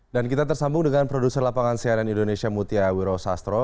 dan kita tersambung dengan produser lapangan cnn indonesia mutia wiro sastro